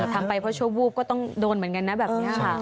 ทำไปเพราะชั่ววูบก็ต้องโดนเหมือนกันนะแบบนี้ค่ะ